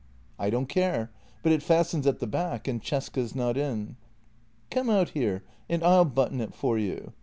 " I don't care! but it fastens at the back, and Cesca's not in." " Come out here and I'll button it for you.